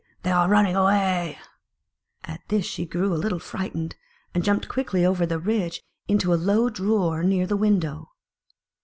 they are running away !" At this she grew a little frightened, and jumped quickly over the ridge into a low drawer near the window.